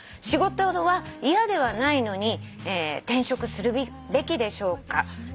「仕事は嫌ではないのに転職するべきでしょうか」